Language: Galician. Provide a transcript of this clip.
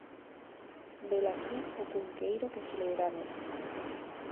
Velaquí o Cunqueiro que celebramos.